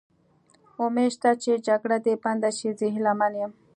امید شته چې جګړه دې بنده شي، زه هیله من یم.